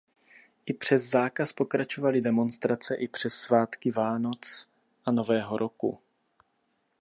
I přes zákaz pokračovaly demonstrace i přes svátky Vánoc a Nového roku.